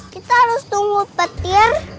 kita harus tunggu petir